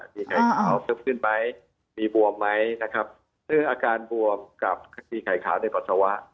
มีไข่ขาวชึบขึ้นไหมมีบวมไหมนะครับซึ่งอาการบวมกับคดีไข่ขาวในปัสสาวะ